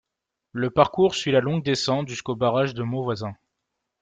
Le parcours suit la longue descente jusqu'au barrage de Mauvoisin.